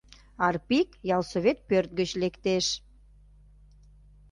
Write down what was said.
Арпик ялсовет пӧрт гыч лектеш.